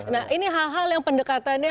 nah ini hal hal yang pendekatannya